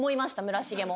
村重も。